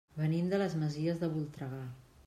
Venim de les Masies de Voltregà.